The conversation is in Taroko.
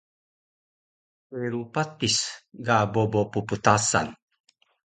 Teru patis ga bobo pptasan